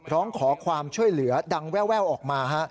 ร้องขอความช่วยเหลือดังแววออกมา